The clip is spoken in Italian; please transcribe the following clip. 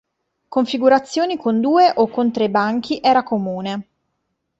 Configurazioni con due o con tre banchi era comune.